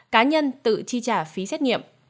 cá nhân tự chi trả phí xét nghiệm